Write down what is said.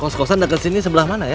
kalau sheko sana kesini sebelah mana ya